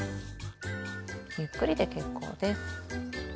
ゆっくりで結構です。